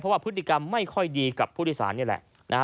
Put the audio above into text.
เพราะว่าพฤติกรรมไม่ค่อยดีกับผู้โดยสารนี่แหละ